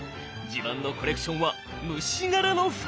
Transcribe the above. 自慢のコレクションは虫柄の服！